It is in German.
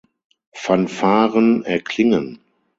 Fanfaren erklingen.